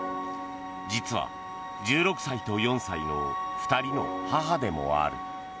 実は１６歳と４歳の２人の母でもある。